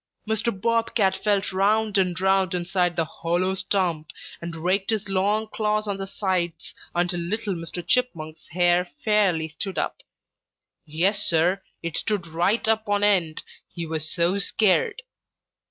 Mr. Bob Cat felt round and round inside the hollow stump and raked his long claws on the sides until little Mr. Chipmunk's hair fairly stood up. Yes, Sir, it stood right up on end, he was so scared.